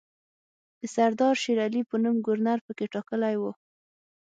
د سردار شېرعلي په نوم ګورنر پکې ټاکلی وو.